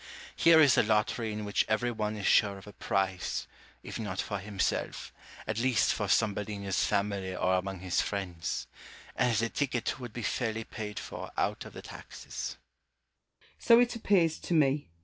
Here is a lottery in which every one is sure of a prize, if not for himself, at least for somebody in his family or among his friends ; and the ticket would be fairly paid for out of the taxes. Malesherhes. So it appears to me.